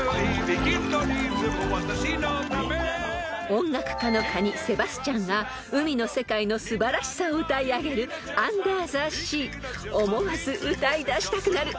［音楽家のカニセバスチャンが海の世界の素晴らしさを歌い上げる『アンダー・ザ・シー』